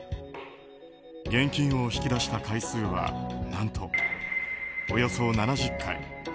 現金を引き出した回数は何とおよそ７０回。